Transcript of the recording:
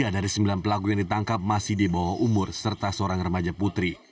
tiga dari sembilan pelaku yang ditangkap masih di bawah umur serta seorang remaja putri